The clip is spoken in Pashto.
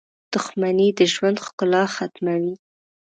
• دښمني د ژوند ښکلا ختموي.